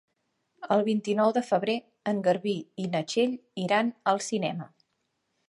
El vint-i-nou de febrer en Garbí i na Txell iran al cinema.